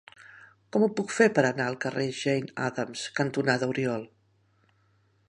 Com ho puc fer per anar al carrer Jane Addams cantonada Oriol?